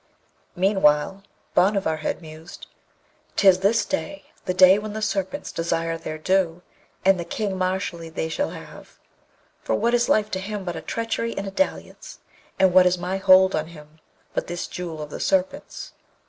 Meanwhile Bhanavar had mused, ''Tis this day, the day when the Serpents desire their due, and the King Mashalleed they shall have; for what is life to him but a treachery and a dalliance, and what is my hold on him but this Jewel of the Serpents?